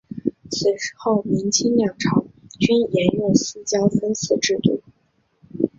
此后明清两朝均沿用四郊分祀制度。